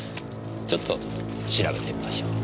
ちょっと調べてみましょう。